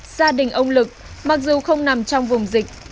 gia đình ông lực mặc dù không nằm trong vùng dịch